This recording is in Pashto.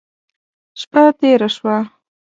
شپه تېره شوه.